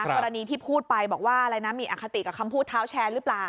กรณีที่พูดไปบอกว่าอะไรนะมีอคติกับคำพูดเท้าแชร์หรือเปล่า